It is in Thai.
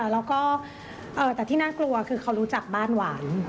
แล้วก็แต่ที่น่ากลัวคือเขารู้จักบ้านหวาน